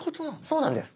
そうなんです。